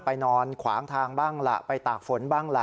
นอนขวางทางบ้างล่ะไปตากฝนบ้างล่ะ